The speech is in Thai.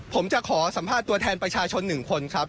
ผมจะขอสัมภาษณ์ตัวแทนประชาชน๑คนครับ